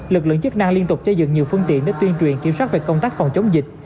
lực lượng chức năng liên tục xây dựng nhiều phương tiện để tuyên truyền kiểm soát về công tác phòng chống dịch